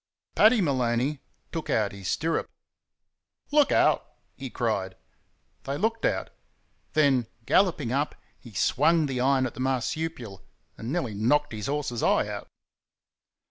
Paddy Maloney took out his stirrup. "Look out!" he cried. They looked out. Then, galloping up, he swung the iron at the marsupial, and nearly knocked his horse's eye out.